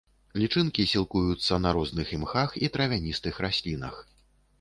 Лічынкі сілкуюцца на розных імхах і травяністых раслінах.